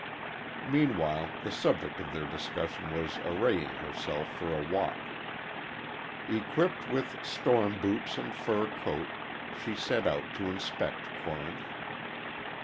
Meanwhile the subject of their discussion was arraying herself for a walk. Equipped with storm boots and fur coat, she set out to inspect Corinth.